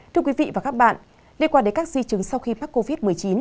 thưa quý vị và các bạn liên quan đến các di chứng sau khi mắc covid một mươi chín